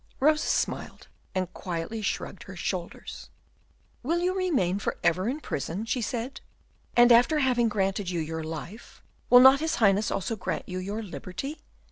Rosa smiled, and quietly shrugged her shoulders. "Will you remain for ever in prison?" she said, "and after having granted you your life, will not his Highness also grant you your liberty?